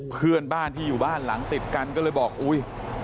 เพื่อนบ้านที่อยู่บ้านหลังติดกันก็เลยบอกอุ๊ย